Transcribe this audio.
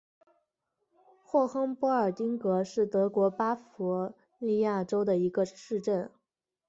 霍亨波尔丁格是德国巴伐利亚州的一个市镇。